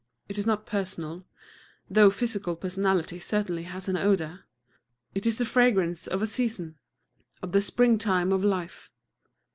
It is not personal (though physical personality certainly has an odor): it is the fragrance of a season, of the springtime of life.